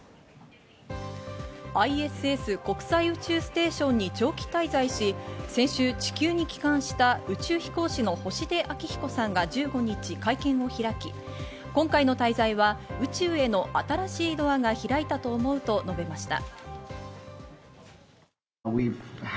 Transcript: ＩＳＳ＝国際宇宙ステーションに長期滞在し、先週、地球に帰還した宇宙飛行士の星出彰彦さんが１５日会見を開き、今回の滞在は宇宙への新しいドアが開いたと思うと述べました。